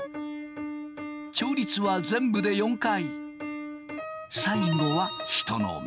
調律は全部で４回。